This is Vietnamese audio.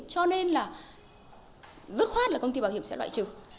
cho nên là dứt khoát là công ty bảo hiểm sẽ loại trừ